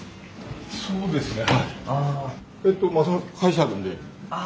そうですね。